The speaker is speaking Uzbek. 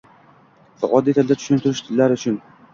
va oddiy tilda tushuntirishlari uchun